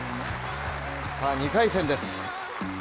さあ、２回戦です。